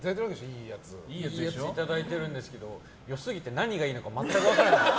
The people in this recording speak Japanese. いいやついただいてるんですけど良すぎて何がいいのか全く分からない。